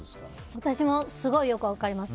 私もすごいよく分かります。